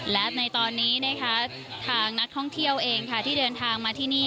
และในตอนนี้นะคะทางนักท่องเที่ยวเองค่ะที่เดินทางมาที่นี่